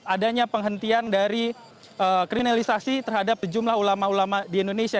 adanya penghentian dari kriminalisasi terhadap sejumlah ulama ulama di indonesia